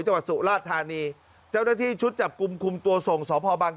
จังหวัดสุราชธานีเจ้าหน้าที่ชุดจับกลุ่มคุมตัวส่งสพบัง